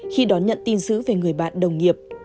khi đó nhận tin dữ về người bạn đồng nghiệp